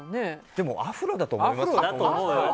でも、アフロだと思いますよ。